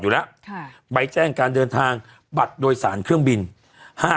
อยู่แล้วค่ะใบแจ้งการเดินทางบัตรโดยสารเครื่องบินห้า